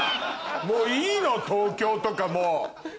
もういいの東京とかもう。